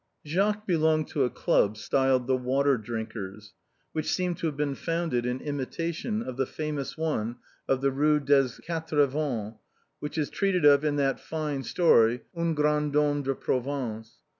Jacques belonged to a club styled the Water drinkers, which seemed to have been founded in imitation of the famous one of the Rue des Quatre Vent, which is treated of in that fine story "Un Grand Homme de Province."